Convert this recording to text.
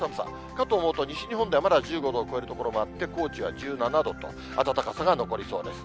かと思うと西日本ではまだ１５度を超える所もあって、高知は１７度と、暖かさが残りそうです。